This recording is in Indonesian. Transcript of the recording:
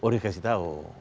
oh dikasih tau